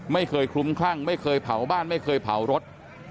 คลุ้มคลั่งไม่เคยเผาบ้านไม่เคยเผารถ